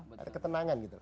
ada ketenangan gitu